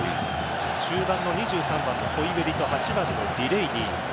中盤の２３番のホイビェリと８番のディレイニー。